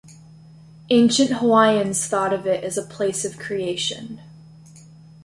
Ancient Hawaiians thought of it as a place of creation.